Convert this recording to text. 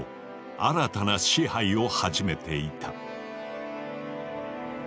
新たな支配を始めていた。